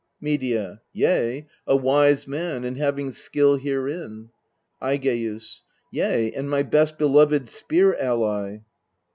Medea. Yea a wise man, and having skill herein. Aigeus. Yea, and my best beloved spear ally.